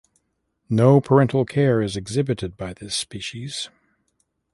No parental care is exhibited by this species.